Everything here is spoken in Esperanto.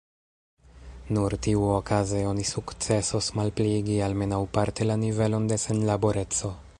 Nur tiuokaze oni sukcesos malpliigi almenaŭ parte la nivelon de senlaboreco.